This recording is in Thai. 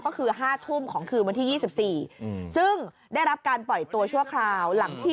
ก็คือ๕ทุ่มของคืนวันที่๒๔ซึ่งได้รับการปล่อยตัวชั่วคราวหลังที่